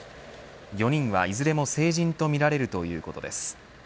４人はいずれも成人とみられるということです。